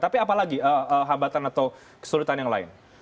tapi apalagi hambatan atau kesulitan yang lain